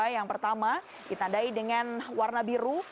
yang pertama ditandai dengan warna biru